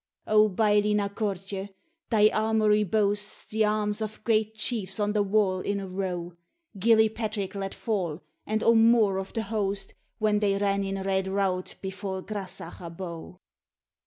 O, Baillie Na Cortie! thy armoury boasts The arms of great chiefs on the wall in a row; Gilliepatrick let fall, and O More of the hosts, When they ran in red rout before Grasach Abo.